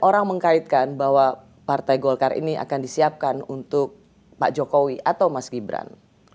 orang mengkaitkan bahwa partai golkar ini akan disiapkan untuk pak jokowi atau mas gibran